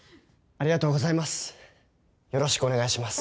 ありがとうございます。